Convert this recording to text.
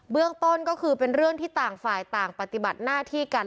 เรื่องต้นก็คือเป็นเรื่องที่ต่างฝ่ายต่างปฏิบัติหน้าที่กัน